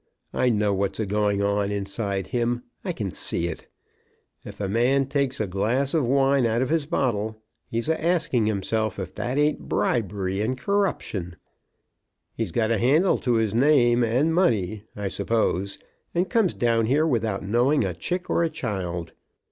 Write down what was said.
I know what's a going on inside him. I can see it. If a man takes a glass of wine out of his bottle, he's a asking hisself if that ain't bribery and corruption! He's got a handle to his name, and money, I suppose, and comes down here without knowing a chick or a child.